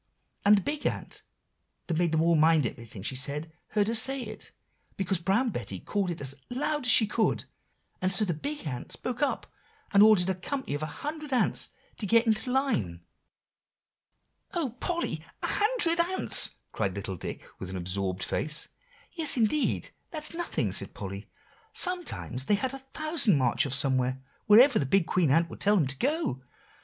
And the big ant that made them all mind everything she said, heard her say it, because Brown Betty called it as out loud as she could; and so the big ant spoke up, and ordered a company of a hundred ants to get into line." "O Polly, a hundred ants!" cried little Dick with an absorbed face. [Illustration: "O Polly, a hundred ants!" cried little Dick with an absorbed face.] "Yes, indeed, that's nothing," said Polly; "sometimes they had a thousand march off somewhere, wherever the big Queen Ant would tell them to go.